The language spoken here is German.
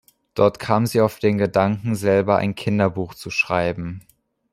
Dort kam sie auf den Gedanken, selber ein Kinderbuch zu schreiben.